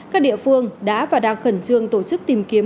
các địa phương đã và đang khẩn trương tổ chức tìm kiếm